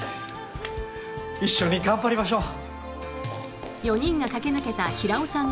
一緒に頑張りましょう。